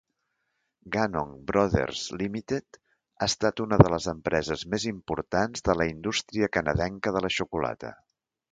Ganong Brothers Limited ha estat una de les empreses més importants de la indústria canadenca de la xocolata.